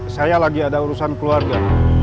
saya lagi ada urusan keluarga